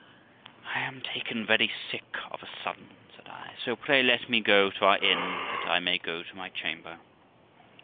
'I am taken very sick of a sudden', said I; 'so pray let me go to our inn that I may go to my chamber.'